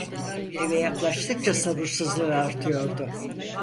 Eve yaklaştıkça sabırsızlığı artıyordu.